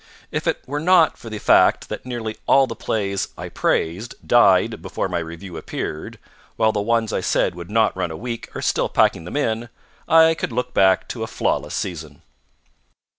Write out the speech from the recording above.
If it were not for the fact that nearly all the plays I praised died before my review appeared, while the ones I said would not run a week are still packing them in, I could look back to a flawless season.